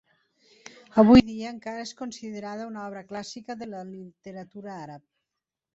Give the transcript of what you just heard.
Avui dia encara és considerada una obra clàssica de la literatura àrab.